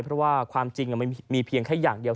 เพราะว่าความจริงมันมีเพียงแค่อย่างเดียว